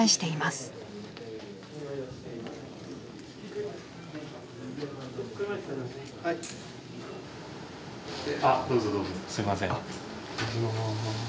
すいません。